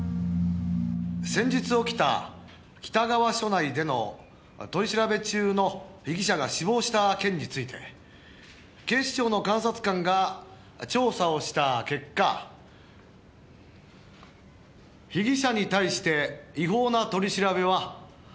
「先日起きた北川署内での取り調べ中の被疑者が死亡した件について警視庁の監察官が調査をした結果被疑者に対して違法な取り調べはありませんでした」